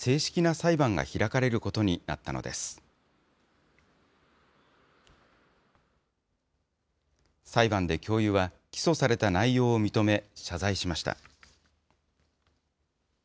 裁判で教諭は、起訴された内容を認め、謝罪しました。